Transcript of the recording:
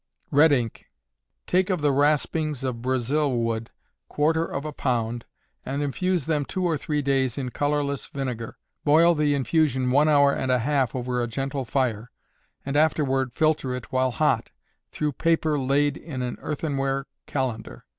Red Ink. Take of the raspings of Brazil wood, quarter of a pound, and infuse them two or three days in colorless vinegar. Boil the infusion one hour and a half over a gentle fire, and afterward filter it while hot, through paper laid in an earthenware cullender.